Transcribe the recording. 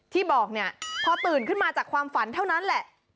ที่บอกเนี่ยพอตื่นขึ้นมาจากความฝันเท่านั้นแหละ